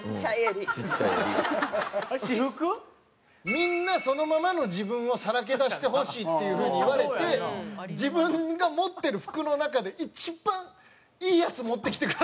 みんなそのままの自分をさらけ出してほしいっていうふうに言われて自分が持ってる服の中で一番いいやつ持ってきてくださいって言われて。